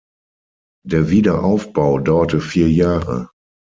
Der Wiederaufbau dauerte vier Jahre.